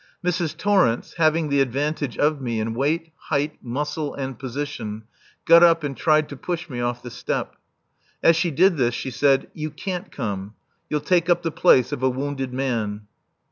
Mrs. Torrence, having the advantage of me in weight, height, muscle and position, got up and tried to push me off the step. As she did this she said: "You can't come. You'll take up the place of a wounded man."